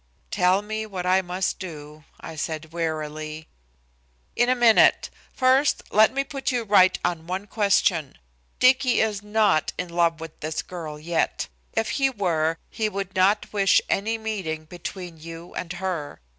"Tell me what I must do," I said wearily. "In a minute. First let me put you right on one question. Dicky is not in love with this girl yet. If he were, he would not wish any meeting between you and her.